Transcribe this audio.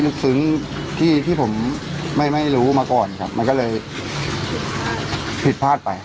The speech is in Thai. รูปศึงที่ที่ผมไม่ไม่ลุมาก่อนครับมันก็เลยผิดพลาดไป